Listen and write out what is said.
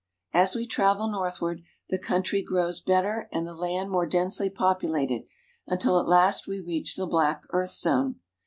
As we travel northward, the country grows better and the land more densely populated, until at last we reach the black earth zone.